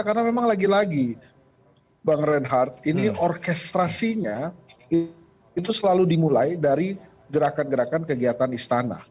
karena memang lagi lagi bang reinhardt ini orkestrasinya itu selalu dimulai dari gerakan gerakan kegiatan istana